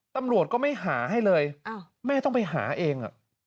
ตำรวจก็ไม่หาให้เลยแม่ต้องไปหาเอง